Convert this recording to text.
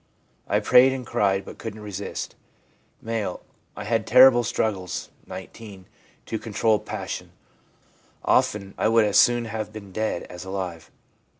I prayed and cried, but couldn't resist/ M. ' I had terrible struggles (19) to control passion. Often I would as soon have been dead as alive.